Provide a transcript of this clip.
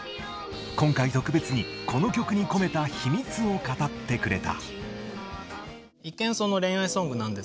今回特別にこの曲に込めた秘密を語ってくれた。